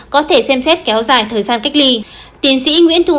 có thể xem xét kéo dài thời gian cách ly